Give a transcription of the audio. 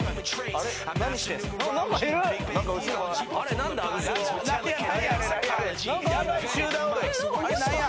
あれ何や？